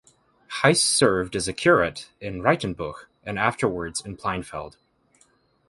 Heiss served as a curate in Raitenbuch and afterwards in Pleinfeld.